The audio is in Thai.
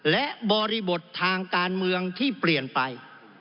และบริบททางการเมืองที่เปลี่ยนไป